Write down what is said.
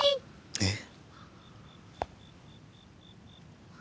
えっ？